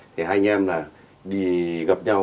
thì hai anh em là đi gặp nhau